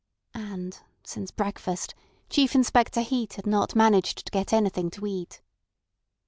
And since breakfast Chief Inspector Heat had not managed to get anything to eat.